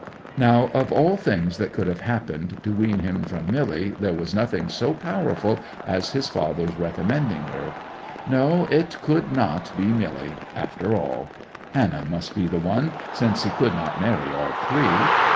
'Now of all things that could have happened to wean him from Milly there was nothing so powerful as his father's recommending her. No; it could not be Milly, after all. Hannah must be the one, since he could not marry all three.